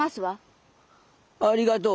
ありがとう。